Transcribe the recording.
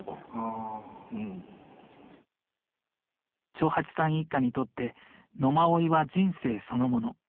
長八さん一家にとって野馬追は人生そのもの。